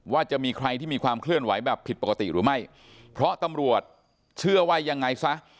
ว่าจะมีใครที่มีความเคลื่อนไหวแบบผิดปกติหรือไม่เพราะตำรวจเชื่อว่ายังไงซะ